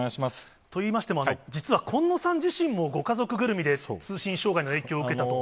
といいましても、実は近野さん自身も、ご家族ぐるみで通信障害の影響を受けたと。